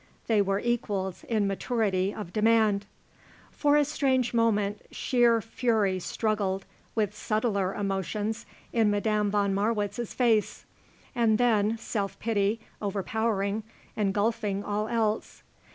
They were equals in maturity of demand. For a strange moment sheer fury struggled with subtler emotions in Madame von Marwitz's face, and then self pity, overpowering, engulfing all else.